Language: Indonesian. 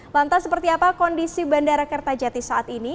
lantas seperti apa kondisi bandara kertajati saat ini